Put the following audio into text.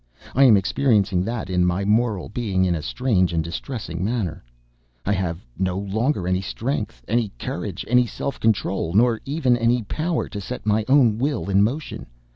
I am experiencing that in my moral being in a strange and distressing manner. I have no longer any strength, any courage, any self control, nor even any power to set my own will in motion.